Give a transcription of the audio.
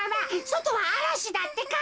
そとはあらしだってか。